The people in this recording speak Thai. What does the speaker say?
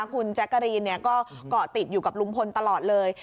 คุณแจ๊กกะรีนก็เกาะติดอยู่กับลุงพลตลอดเลย